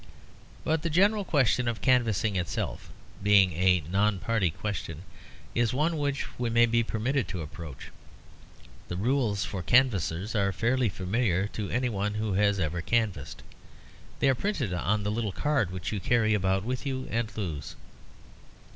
But the general question of canvassing itself, being a non party question, is one which we may be permitted to approach. The rules for canvassers are fairly familiar to any one who has ever canvassed. They are printed on the little card which you carry about with you and lose.